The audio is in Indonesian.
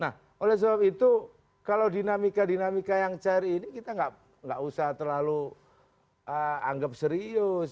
nah oleh sebab itu kalau dinamika dinamika yang cair ini kita nggak usah terlalu anggap serius